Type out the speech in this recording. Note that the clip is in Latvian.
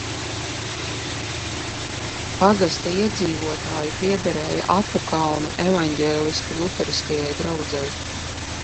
Pagasta iedzīvotāji piederēja Apukalna evaņģēliski luteriskajai draudzei.